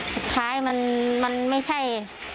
สุดท้ายมันไม่ใช่